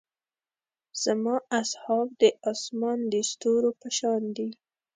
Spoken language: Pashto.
زما اصحاب د اسمان د ستورو پۀ شان دي.